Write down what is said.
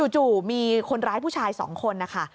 จู่มีคนร้ายผู้ชาย๒คนนะคะ